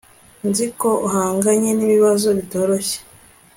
nzi ko uhanganye n'ibibazo bitoroshye